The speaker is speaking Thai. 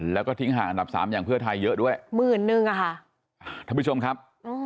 แล้วก็ทิ้งห่างอันดับสามอย่างเพื่อไทยเยอะด้วยหมื่นนึงอ่ะค่ะท่านผู้ชมครับ